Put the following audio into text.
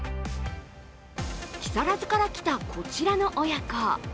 木更津から来たこちらの親子。